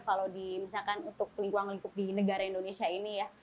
kalau di misalkan untuk lingkuang lingkup di negara indonesia ini ya